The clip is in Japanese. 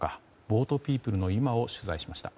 ボートピープルの今を取材しました。